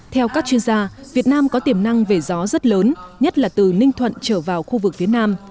theo các chuyên gia việt nam có tiềm năng về gió rất lớn nhất là từ ninh thuận trở vào khu vực phía nam